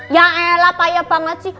ya elah payah banget sih